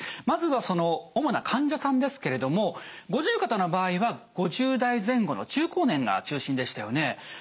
まずは主な患者さんですけれども五十肩の場合は５０代前後の中高年が中心でしたよね。